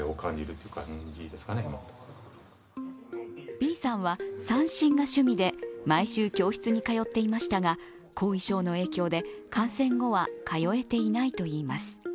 Ｂさんは三線が趣味で、毎週、教室に通っていましたが、後遺症の影響で感染後は通えていないといいます。